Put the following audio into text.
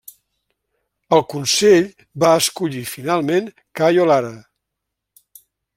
El Consell va escollir finalment Cayo Lara.